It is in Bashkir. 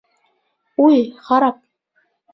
Уй, харап!